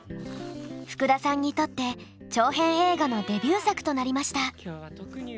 ふくださんにとって長編映画のデビュー作となりました。